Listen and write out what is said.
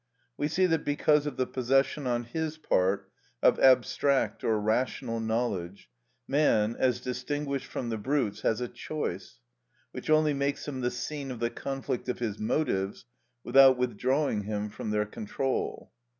We see that because of the possession on his part of abstract or rational knowledge, man, as distinguished from the brutes, has a choice, which only makes him the scene of the conflict of his motives, without withdrawing him from their control.